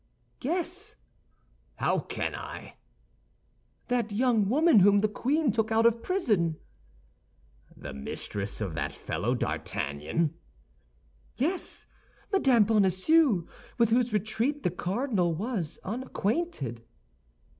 "Guess." "How can I?" "That young woman whom the queen took out of prison." "The mistress of that fellow D'Artagnan?" "Yes; Madame Bonacieux, with whose retreat the cardinal was unacquainted."